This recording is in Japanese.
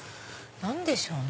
何でしょうね？